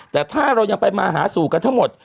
แต่ถ้าเรายังไปมาหาสู่กันทั้งหมด